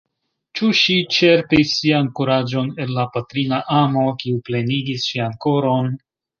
Ĉu ŝi ĉerpis sian kuraĝon el la patrina amo, kiu plenigis ŝian koron?